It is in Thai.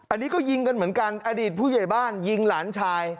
อันนี้ก็ยิงกันเหมือนกันอดีตผู้ใหญ่บ้านยิงหลานชาย